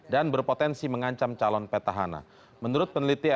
dari sisi terlebih dahulu ini